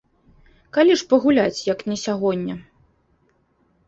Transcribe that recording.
Калі ж пагуляць, як не сягоння?